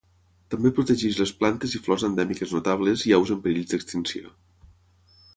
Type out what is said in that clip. També protegeix les plantes i flors endèmiques notables i aus en perill d'extinció.